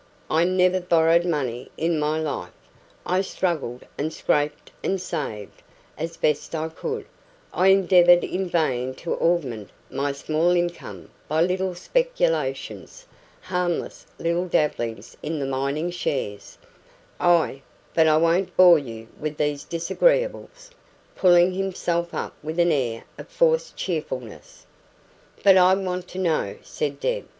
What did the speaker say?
I never borrowed money in my life. I struggled and scraped and saved, as best I could; I endeavoured in vain to augment my small income by little speculations harmless little dabblings in mining shares; I but I won't bore you with these disagreeables" pulling himself up with an air of forced cheerfulness. "But I want to know," said Deb.